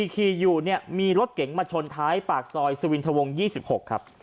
ขี่อยู่เนี่ยมีรถเก๋งมาชนท้ายปากซอยสุวินทวง๒๖ครับ